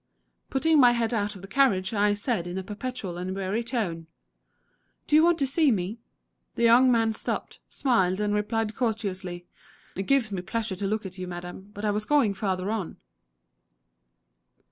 Putting my head out of the carriage, I said in a petulant and weary tone, 'Do you want to see me?' The young man stopped, smiled, and replied courteously, 'It gives me pleasure to look at you, madam, but I was going farther on.'"